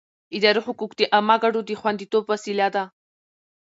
اداري حقوق د عامه ګټو د خوندیتوب وسیله ده.